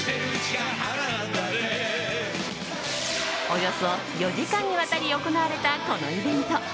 およそ４時間にわたり行われたこのイベント。